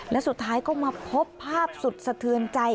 และสุดท้ายก็มาพบภาพสุดสะเทือนใจ